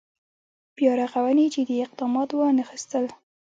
بیا رغونې جدي اقدامات وانخېستل.